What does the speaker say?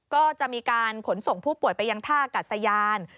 ก็จะมีการขนส่งผู้ป่วยไปยังท่ากัดสยาน